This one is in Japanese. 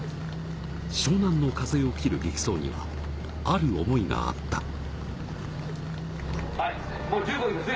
湘南の風を切る激走にはある思いがあった。